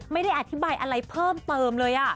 ไม่ได้อธิบายอะไรเพิ่มเติมเลย